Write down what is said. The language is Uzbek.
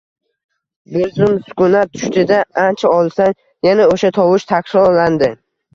Bir zum sukunat tushdi-da, ancha olisdan yana o‘sha tovush takrorlandi.